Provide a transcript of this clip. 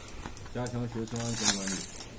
加强学生安全管理